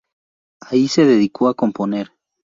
Ahí se dedicó a componer.